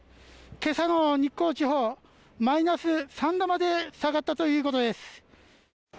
今朝の日光地方マイナス３度まで下がったということです。